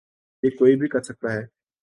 یہ کوئی بھی کر سکتا ہے۔